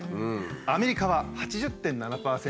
アメリカは８０．７％。